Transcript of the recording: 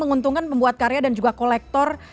menguntungkan pembuat karya dan juga kolektor